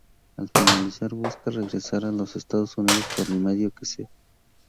Al finalizar, busca regresar a los Estados Unidos por el medio que sea.